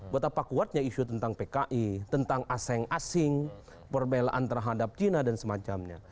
betapa kuatnya isu tentang pki tentang asing asing perbelaan terhadap cina dan semacamnya